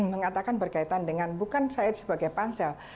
mengatakan berkaitan dengan bukan saya sebagai pansel